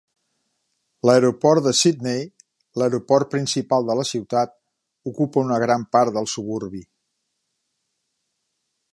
L'aeroport de Sydney, l'aeroport principal de la ciutat, ocupa una gran part del suburbi.